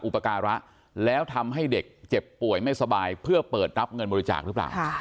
อุปการะแล้วทำให้เด็กเจ็บป่วยไม่สบายเพื่อเปิดรับเงินบริจาคหรือเปล่า